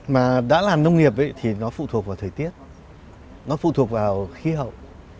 mà đã là nông nghiệp ấy thì nó phụ thuộc vào thời tiết nó phụ thuộc vào khí hậu